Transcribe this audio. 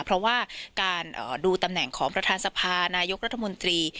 เพราะว่าการดูตำแหน่งของประธานสภานายกรัฐมนตรี